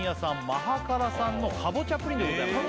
マハカラさんのかぼちゃプリンでございます